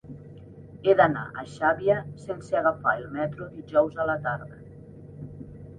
He d'anar a Xàbia sense agafar el metro dijous a la tarda.